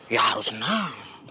ya harus senang